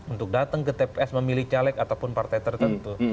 untuk datang ke tps memilih caleg ataupun partai tertentu